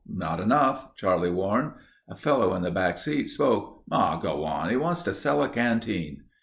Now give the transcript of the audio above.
"Not enough," Charlie warned. A fellow in the back seat spoke, "Aw, go on. He wants to sell a canteen...."